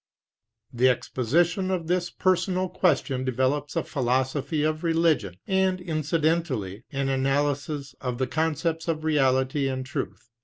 The exposi tion of this personal question develops a philosophy of religion, and incidentally, an analysis of the concepts of Reality and Truth.